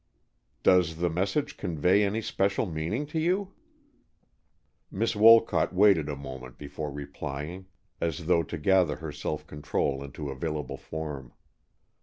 "Does the message convey any special meaning to you?" Miss Wolcott waited a moment before replying, as though to gather her self control into available form.